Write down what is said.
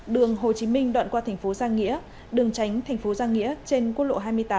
đường hồ chí minh đoạn qua thành phố giang nghĩa đường tránh thành phố giang nghĩa trên quốc lộ hai mươi tám